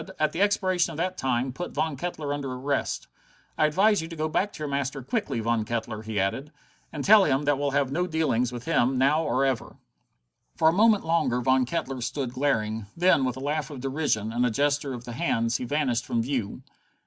"At the expiration of that time, put Mr. Von Kettler under arrest. I advise you to go back to your master quickly, Mr. Von Kettler," he added, "and tell him that we'll have no dealings with him, now or ever." For a moment longer Von Kettler stood glaring; then, with a laugh of derision and a gesture of the hands he vanished from view.